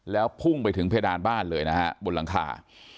แล้วพุ่งไปถึงเพดานบ้านเลยนะฮะบนหลังคา